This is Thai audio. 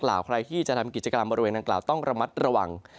ตัวเกรงตอบราวต้องทรมานสุดครู่